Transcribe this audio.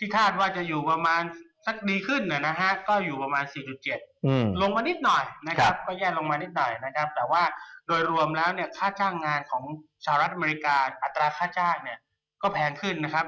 ก็อยู่ประมาณ๔๗ลงมานิดหน่อยแต่ว่าโดยรวมแล้วเนี่ยค่าจ้างงานของชาวรัฐอเมริกาอัตราค่าจ้างเนี่ยก็แพงขึ้นนะครับ